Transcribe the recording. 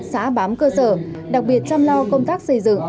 xã bám cơ sở đặc biệt chăm lo công tác xây dựng